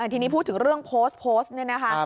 ทีนี้พูดถึงเรื่องโพสต์โพสต์นี่นะคะ